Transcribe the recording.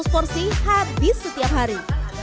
tujuh ratus porsi habis setiap hari